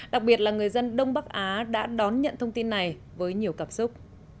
đặc biệt là người dân đông bắc á đã đón nhận thông tin này với nhiều cảm xúc